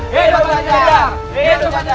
hidup batu jajar